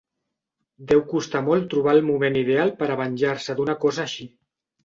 Deu costar molt trobar el moment ideal per a venjar-se d'una cosa així.